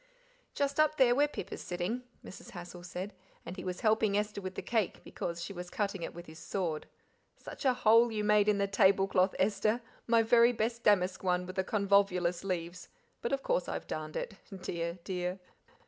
"Just up there where Pip is sitting," Mrs. Hassal said, "and he was helping Esther with the cake, because she was cutting it with his sword. Such a hole you made in the table cloth, Esther, my very best damask one with the convolvulus leaves, but, of course, I've darned it dear, dear!"